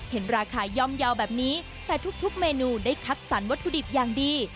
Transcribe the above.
เห็นราคาย่อมเยาว์แบบนี้แต่ทุกเมนูได้คัดสรรวัตถุดิบอย่างดี